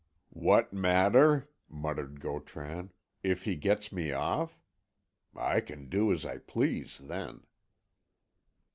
"What matter," muttered Gautran, "if he gets me off? I can do as I please then."